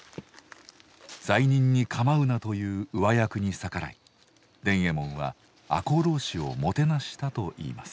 罪人に構うなという上役に逆らい伝右衛門は赤穂浪士をもてなしたといいます。